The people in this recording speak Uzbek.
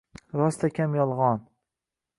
rostakam yolgʼon